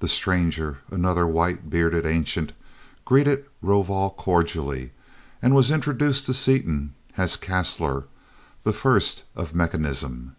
The stranger, another white bearded ancient, greeted Rovol cordially and was introduced to Seaton as "Caslor, the First of Mechanism."